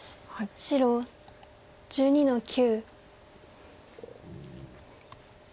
白１２の九。